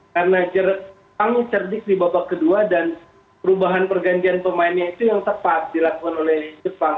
karena jerman cerdik di babak kedua dan perubahan pergantian pemainnya itu yang tepat dilakukan oleh jerman